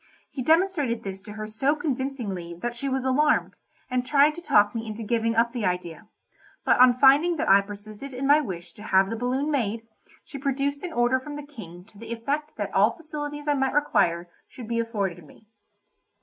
He demonstrated this to her so convincingly, that she was alarmed, and tried to talk me into giving up the idea, but on finding that I persisted in my wish to have the balloon made, she produced an order from the King to the effect that all facilities I might require should be afforded me.